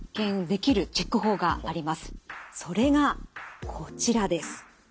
それがこちらです。